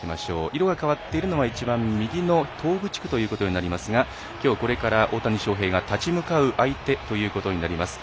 色が変わっているのが一番右の東部地区ということになりますがきょうこれから大谷翔平が立ち向かう相手となります。